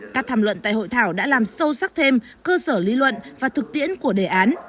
các tham luận tại hội thảo đã làm sâu sắc thêm cơ sở lý luận và thực tiễn của đề án